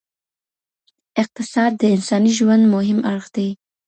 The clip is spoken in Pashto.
اقتصاد د انساني ژوند مهم اړخ دی.